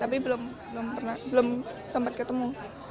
tapi belum belum pernah belum tempat ketemu